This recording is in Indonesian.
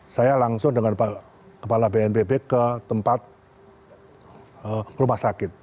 saya langsung dengan kepala bnpb ke tempat rumah sakit